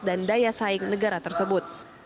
dan daya saing negara tersebut